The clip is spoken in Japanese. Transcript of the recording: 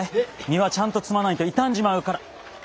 荷はちゃんと積まないと傷んじまうから。